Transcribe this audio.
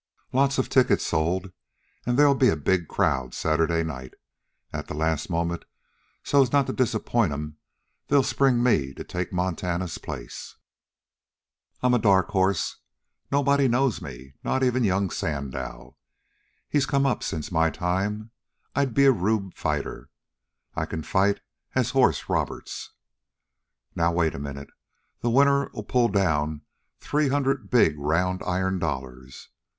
Lots of tickets sold, an' they'll be a big crowd Saturday night. At the last moment, so as not to disappoint 'em, they'll spring me to take Montana's place. I 'm the dark horse. Nobody knows me not even Young Sandow. He's come up since my time. I'll be a rube fighter. I can fight as Horse Roberts. "Now, wait a minute. The winner'll pull down three hundred big round iron dollars.